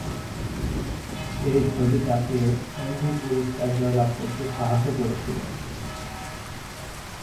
এই ছবিটি তাকে এভিএন পুরস্কার জয়লাভ করতে সাহায্য করেছিল।